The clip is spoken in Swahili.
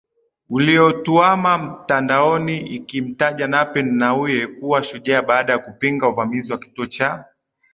uliotuama mitandaoni ikimtaja Nape Nnauye kuwa shujaa baada ya kupinga uvamizi wa kituo cha